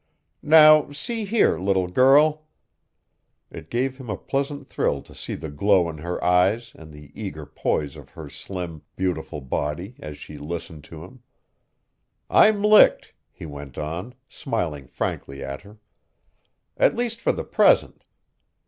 Now, see here, little girl " It gave him a pleasant thrill to see the glow in her eyes and the eager poise of her slim, beautiful body as she listened to him. "I'm licked," he went on, smiling frankly at her. "At least for the present.